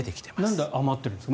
なんで余ってるんですか？